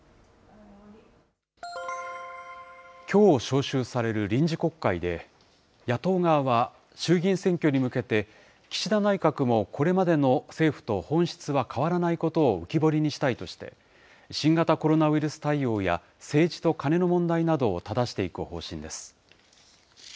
きょう召集される臨時国会で、野党側は、衆議院選挙に向けて、岸田内閣もこれまでの政府と本質は変わらないことを浮き彫りにしたいとして、新型コロナウイルス対応や政治とカネの問題などをただしていく方針です。